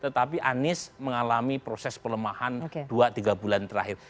tetapi anies mengalami proses pelemahan dua tiga bulan terakhir